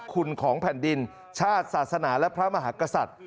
คุณของแผ่นดินชาติศาสนาและพระมหากษัตริย์